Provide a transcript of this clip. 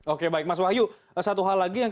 oke baik mas wahyu satu hal lagi yang